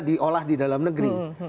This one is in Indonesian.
diolah di dalam negeri